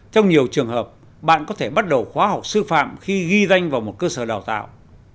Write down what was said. trong nhiều trường hợp bạn có thể bắt đầu khóa học sư phạm khi ghi danh vào một cơ sở đào tạo